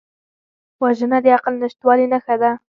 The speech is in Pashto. وژنه د عقل نشتوالي نښه ده